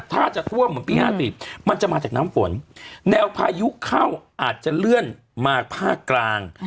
ถ้าจะท่วมเหมือนปี๕๔มันจะมาจากน้ำฝนแนวพายุเข้าอาจจะเลื่อนมาภาคกลาง